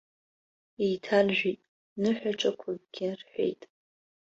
Еиҭаржәит, ныҳәаҿақәакгьы рҳәеит.